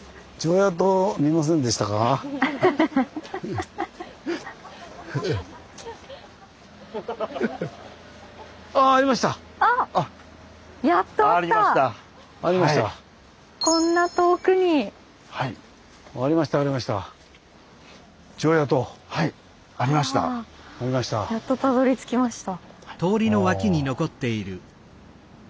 やっとたどりつきました。